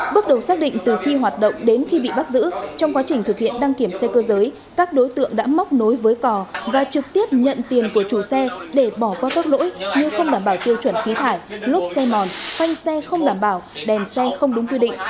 bước đầu xác định từ khi hoạt động đến khi bị bắt giữ trong quá trình thực hiện đăng kiểm xe cơ giới các đối tượng đã móc nối với cò và trực tiếp nhận tiền của chủ xe để bỏ qua các lỗi như không đảm bảo tiêu chuẩn khí thải lốp xe mòn khoanh xe không đảm bảo đèn xe không đúng quy định